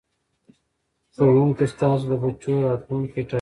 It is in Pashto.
ښوونکو ستاسو د بچو راتلوونکی ټاکي.